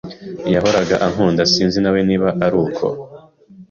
"Yahoraga ankunda."sinzi nawe niba aruko